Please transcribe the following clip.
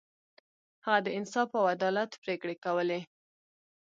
هغه د انصاف او عدالت پریکړې کولې.